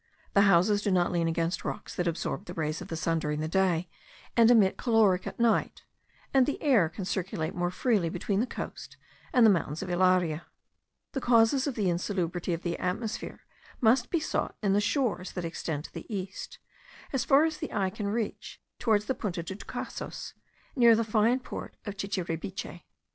The houses do not lean against rocks that absorb the rays of the sun during the day, and emit caloric at night, and the air can circulate more freely between the coast and the mountains of Ilaria. The causes of the insalubrity of the atmosphere must be sought in the shores that extend to the east, as far as the eye can reach, towards the Punta de Tucasos, near the fine port of Chichiribiche.